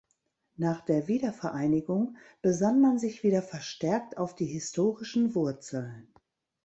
Nach der Wiedervereinigung besann man sich wieder verstärkt auf die historischen Wurzeln.